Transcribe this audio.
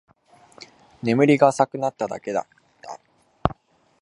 眠りが浅くなっただけだった